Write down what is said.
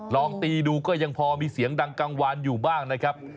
ลองตีดูก็ยังพอมีเสียงดังกลางวานอยู่บ้างนะครับ